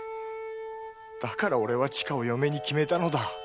だから俺は千佳を嫁に決めたのだ。